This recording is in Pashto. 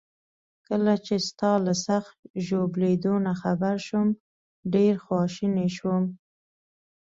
کله چي ستا له سخت ژوبلېدو نه خبر شوم، ډیر خواشینی شوم.